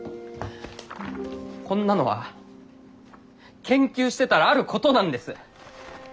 こんなのは研究してたらあることなんです。